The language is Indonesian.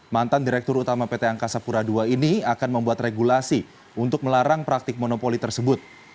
mantan direktur utama pt angkasa pura ii ini akan membuat regulasi untuk melarang praktik monopoli tersebut